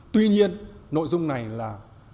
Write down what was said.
tuy nhiên nội dung này là